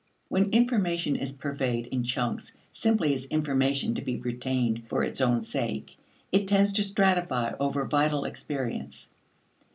When information is purveyed in chunks simply as information to be retained for its own sake, it tends to stratify over vital experience.